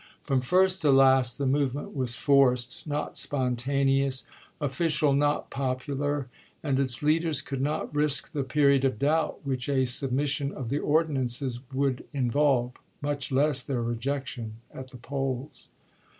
From first to last the movement was forced, not sponta neous, official, not popular; and its leaders could not risk the period of doubt which a submission of the ordinances would involve, much less their re jection at the polls.